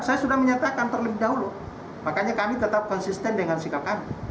saya sudah menyatakan terlebih dahulu makanya kami tetap konsisten dengan sikap kami